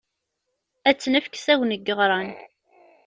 Ad tt-nefk s Agni Ggeɣran.